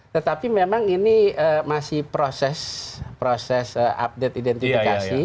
tetapi memang ini masih proses update identifikasi